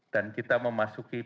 dan kita memasuki